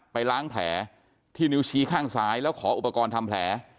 ไปล้างแผลที่นิ้วชี้ข้างซ้ายแล้วขออุปกรณ์ทำแผล